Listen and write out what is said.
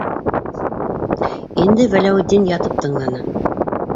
Инде Вәләүетдин ятып тыңланы: